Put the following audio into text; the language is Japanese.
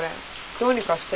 どうにかして。